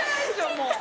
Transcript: もう。